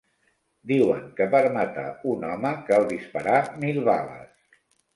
Diuen que per matar un home cal disparar mil bales